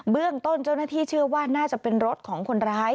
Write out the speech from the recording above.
เรื่องต้นเจ้าหน้าที่เชื่อว่าน่าจะเป็นรถของคนร้าย